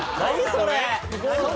それ！